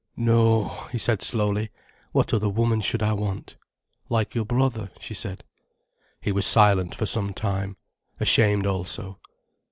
"No," he said slowly. "What other woman should I want?" "Like your brother," she said. He was silent for some time, ashamed also.